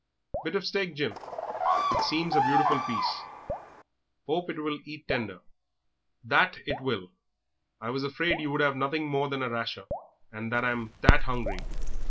"Bit of steak, Jim. It seems a beautiful piece. Hope it will eat tender." "That it will. I was afeard you would have nothing more than a rasher, and I'm that 'ungry."